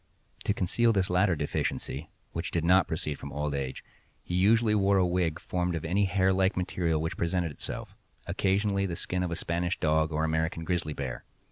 To conceal this latter deficiency, which did not proceed from old age, he usually wore a wig formed of any hair like material which presented itself—occasionally the skin of a Spanish dog or American grizzly bear.